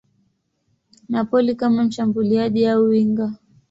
Napoli kama mshambuliaji au winga.